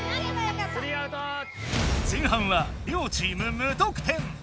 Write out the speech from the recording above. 前半は両チーム無得点。